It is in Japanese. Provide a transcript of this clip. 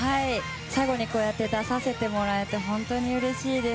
最後にこうやって出させてもらえてうれしいです。